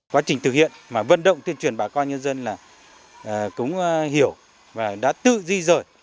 quá trình thực hiện mà vận động tuyên truyền bà con nhân dân là cũng hiểu và đã tự di rời